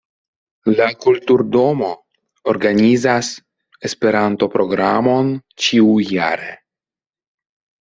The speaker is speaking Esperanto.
La kulturdomo organizas Esperanto-programon ĉiu-jare.